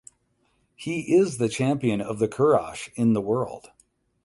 He is the champion of the Kurash in the world.